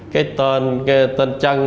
cái tên trăng